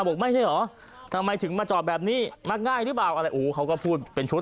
บอกไม่ใช่เหรอทำไมถึงมาจอดแบบนี้มักง่ายหรือเปล่าอะไรโอ้เขาก็พูดเป็นชุด